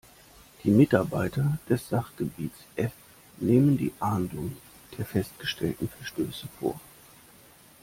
Die Mitarbeiter des Sachgebiets F nehmen die Ahndung der festgestellten Verstöße vor.